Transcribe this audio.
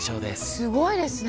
すごいですね。